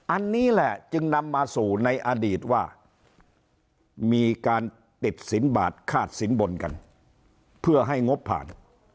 อันนี้แหละจึงนำมาสู่ในอดีตว่ามีการติดสินบาทคาดสินบนกันเพื่อให้งบผ่าน